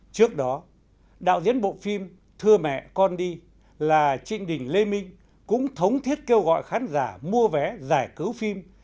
trước đó đạo diễn bộ phim thưa mẹ con đi là trịnh đình lê minh cũng thống thiết kêu gọi khán giả mua vé giải cứu phim